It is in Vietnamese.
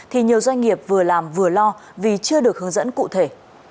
thì nhiều doanh nghiệp vừa làm vừa lo vì chưa được hướng dẫn cụ thể